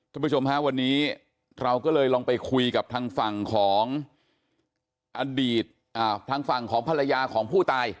ทำวันนี้เราก็เลยลองไปคุยกับทางฝั่งของพลัยยาของผู้ตาย